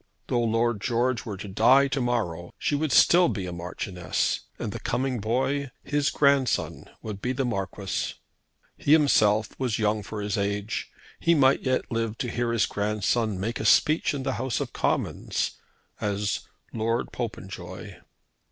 Though Lord George were to die to morrow, she would still be a Marchioness, and the coming boy, his grandson, would be the Marquis. He himself was young for his age. He might yet live to hear his grandson make a speech in the House of Commons as Lord Popenjoy.